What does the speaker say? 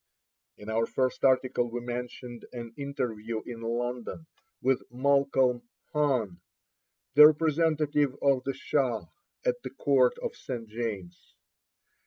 In our first article we mentioned an interview in London with Malcolm Khan, the representative of the Shah at the court of St. James.